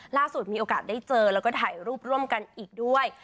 ล่าสุดมีโอกาสได้เจอแล้วก็ถ่ายรูปร่วมกันอีกด้วย